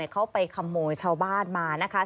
เขาไปขโมยชาวบ้านมานะคะ